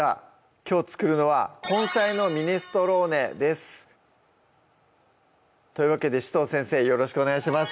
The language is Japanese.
きょう作るのは「根菜のミネストローネ」ですというわけで紫藤先生よろしくお願いします